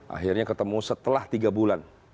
akhirnya ketemu setelah tiga bulan